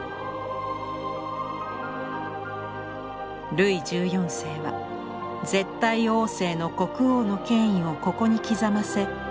ルイ１４世は絶対王政の国王の権威をここに刻ませ世に知らしめたのです。